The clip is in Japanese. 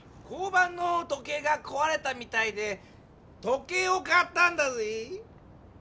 交番の時計がこわれたみたいで時計を買ったんだぜぇ！